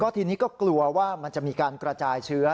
ทีนี้ก็กลัวว่ามันจะมีการกระจายเชื้อ